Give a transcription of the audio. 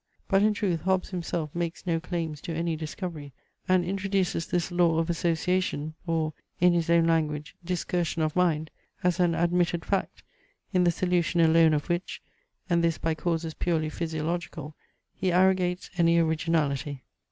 But in truth Hobbes himself makes no claims to any discovery, and introduces this law of association, or (in his own language) discursion of mind, as an admitted fact, in the solution alone of which, and this by causes purely physiological, he arrogates any originality.